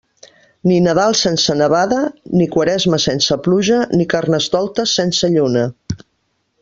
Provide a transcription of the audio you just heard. Ni Nadal sense nevada, ni Quaresma sense pluja, ni Carnestoltes sense lluna.